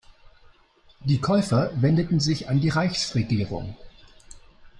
Die Käufer wendeten sich an die Reichsregierung.